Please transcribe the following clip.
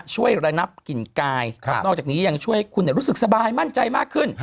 ระงับกลิ่นกายนอกจากนี้ยังช่วยให้คุณรู้สึกสบายมั่นใจมากขึ้น